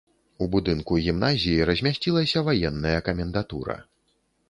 У будынку гімназіі размясцілася ваенная камендатура.